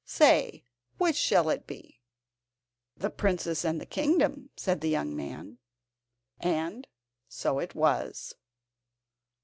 Say, which shall it be?" "The princess and the kingdom," said the young man. And so it was.